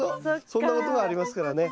そんなことがありますからね。